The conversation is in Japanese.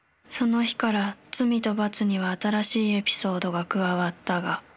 その日から「罪と罰」には新しいエピソードが加わったが。